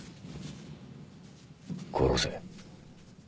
殺せ。